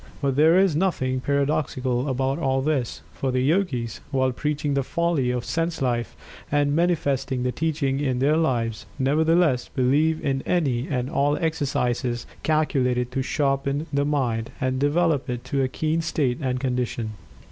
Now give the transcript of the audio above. But there is nothing paradoxical about all this, for the Yogis, while preaching the folly of sense life, and manifesting the teaching in their lives, nevertheless believe in any and all exercises calculated to "sharpen" the Mind, and develop it to a keen state and condition.